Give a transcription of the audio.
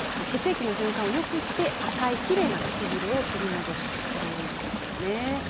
血液の循環をよくして赤いきれいな唇を取り戻してくれるんです。